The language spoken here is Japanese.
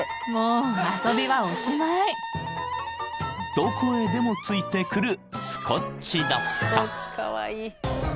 ［どこへでもついてくるスコッチだった］